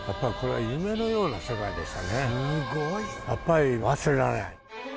やっぱり忘れられない。